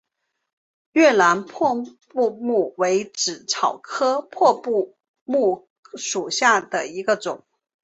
越南破布木为紫草科破布木属下的一个种。